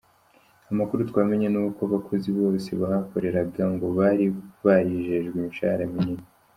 Amakuru twamenye ni uko abakozi bose bahakoreraga ngo bari barijejwe imishahara minini.